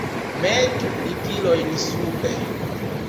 Metu ligilojn sube!